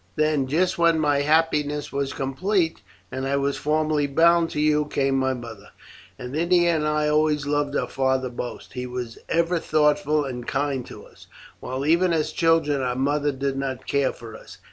Then, just when my happiness was complete, and I was formally bound to you, came my mother. Ennia and I always loved our father most, he was ever thoughtful and kind to us, while even as children our mother did not care for us.